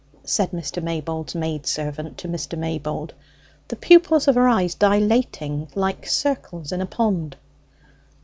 said Mr. Maybold's maid servant to Mr. Maybold, the pupils of her eyes dilating like circles in a pond.